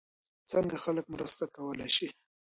څنګه خلک مرسته ترلاسه کوي؟